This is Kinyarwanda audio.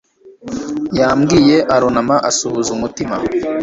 Yambwiye arunama asuhuza umutima